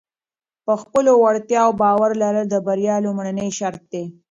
په خپلو وړتیاو باور لرل د بریا لومړنی شرط دی.